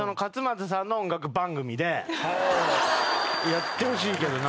やってほしいけどな。